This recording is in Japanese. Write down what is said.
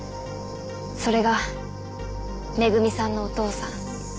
それがめぐみさんのお父さん。